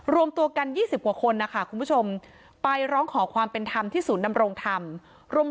รวมตัวกัน๒๐กว่าคนนะคะคุณผู้ชมไปร้องขอความเป็นธรรมที่ศูนย์ดำรงธรรม